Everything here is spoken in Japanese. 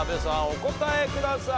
お答えください。